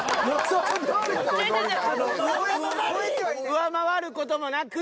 上回る事もなく。